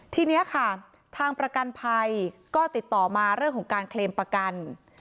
ทีนี้ค่ะทางประกันภัยก็ติดต่อมาเรื่องของการเคลมประกัน